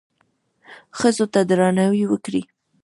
ښځو ته درناوی وکړئ